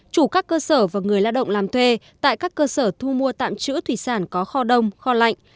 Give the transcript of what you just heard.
chủ các cơ sở và người lao động làm thuê tại các cơ sở thu mua tạm trữ thủy sản có kho đông kho lạnh